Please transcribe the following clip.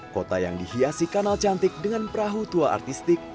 kota yang dihiasi kanal cantik dengan perahu tua artistik